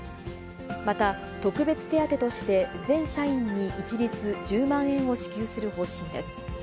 また、特別手当として、全社員に一律１０万円を支給する方針です。